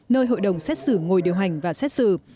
nơi hội đồng xét xử ngồi điều hành và xét xử